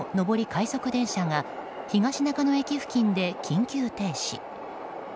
快速電車が東中野駅付近で緊急停止。